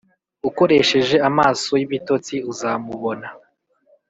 ukoresheje amaso y'ibitotsi uzamubona